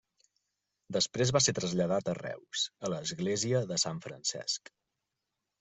Després va ser traslladat a Reus, a l'església de Sant Francesc.